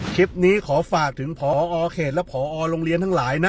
คลิปนี้ขอฝากถึงพอเขตและพอโรงเรียนทั้งหลายนะ